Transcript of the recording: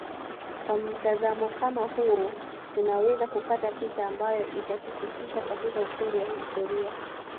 Kwa mtazamo kama huo tunaweza kupata picha ambayo itatufikisha katika ukweli wa historia